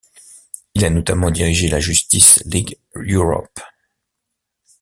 Il a notamment dirigé la Justice League Europe.